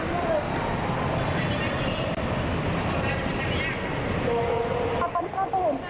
เพราะตอนนี้ก็ไม่มีเวลาให้เข้าไปที่นี่